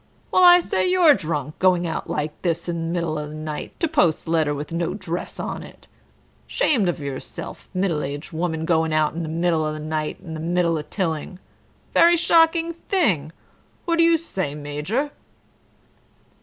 Well, I say you're drunk, going out like this in mill' of the night to post letter with no 'dress on it. Shamed of yourself, mill'aged woman going out in the mill' of the night in the mill' of Tilling. Very shocking thing. What do you say, Major?"